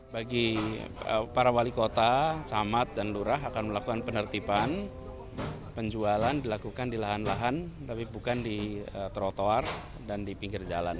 bagi para wali kota camat dan lurah akan melakukan penertiban penjualan dilakukan di lahan lahan tapi bukan di trotoar dan di pinggir jalan